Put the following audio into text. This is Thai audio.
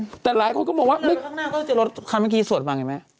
อืมแต่หลายคนก็มองว่าข้างหน้าก็จะลดคันเมื่อกี้ส่วนบางอย่างไรไหม